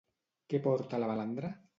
Què porta la balandra?